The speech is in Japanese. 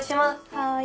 はい。